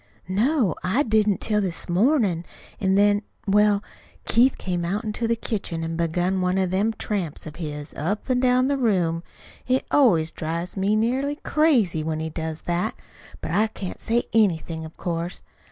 "No, I didn't, till this mornin'; an' then Well, Keith came out into the kitchen an' begun one of them tramps of his up an' down the room. It always drives me nearly crazy when he does that, but I can't say anything, of course.